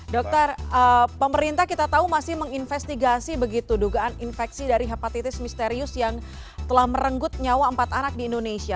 dokter pemerintah kita tahu masih menginvestigasi begitu dugaan infeksi dari hepatitis misterius yang telah merenggut nyawa empat anak di indonesia